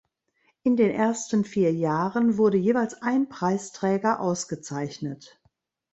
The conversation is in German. In den ersten vier Jahren wurde jeweils ein Preisträger ausgezeichnet.